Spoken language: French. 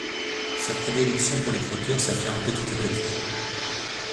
Sa prédilection pour l'écriture s'affirme petit à petit.